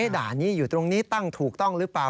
ด่านนี้อยู่ตรงนี้ตั้งถูกต้องหรือเปล่า